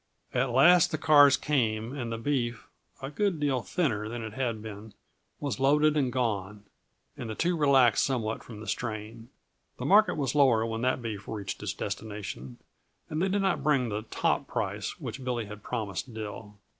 At last the cars came and the beef, a good deal thinner than it had been, was loaded and gone, and the two relaxed somewhat from the strain. The market was lower when that beef reached its destination, and they did not bring the "top" price which Billy had promised Dill.